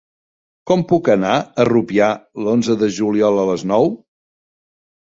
Com puc anar a Rupià l'onze de juliol a les nou?